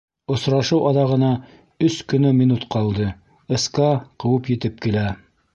Осрашыу аҙағына өс кенә минут ҡалды, СКА ҡыуып етеп килә.